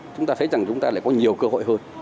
chúng ta thấy rằng chúng ta lại có nhiều cơ hội hơn